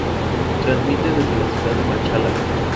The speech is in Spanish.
Transmite desde la ciudad de Machala.